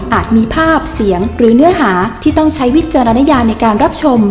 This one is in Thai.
มีภาพเสียงหรือเนื้อหาที่ต้องใช้วิจารณญาในการรับชม